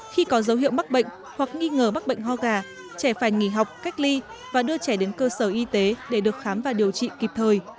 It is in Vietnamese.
khi có dấu hiệu mắc bệnh hoặc nghi ngờ mắc bệnh ho gà trẻ phải nghỉ học cách ly và đưa trẻ đến cơ sở y tế để được khám và điều trị kịp thời